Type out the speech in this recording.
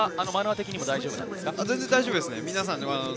マナー的にも大丈夫です。